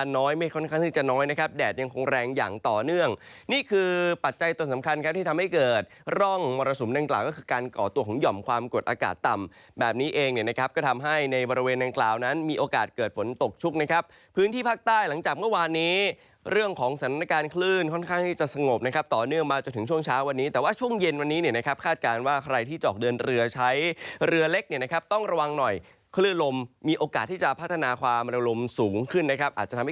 น้อยนะครับแดดยังคงแรงอย่างต่อเนื่องนี่คือปัจจัยต้นสำคัญครับที่ทำให้เกิดร่องมรสุมนางกล่าวก็คือการก่อตัวของหย่อมความกดอากาศต่ำแบบนี้เองนะครับก็ทำให้ในบริเวณนางกล่าวนั้นมีโอกาสเกิดฝนตกชุกนะครับพื้นที่ภาคใต้หลังจากเมื่อวานนี้เรื่องของสถานการณ์คลื่นค่อนข้างที่จะสงบนะครับต